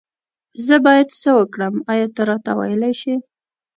زه بايد سه وکړم آيا ته راته ويلي شي